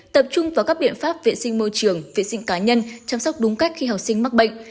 tập trung vào các biện pháp vệ sinh môi trường vệ sinh cá nhân chăm sóc đúng cách khi học sinh mắc bệnh